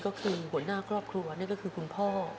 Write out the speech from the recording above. ก็คือหัวหน้าครอบครัวนี่ก็คือคุณพ่อ